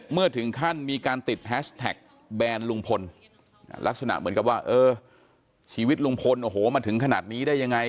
เมื่อถึงขั้นมีการติดแฮชแท็กแบนลุงพลลักษณะเหมือนกับว่าเออชีวิตลุงพลโอ้โหมาถึงขนาดนี้ได้ยังไง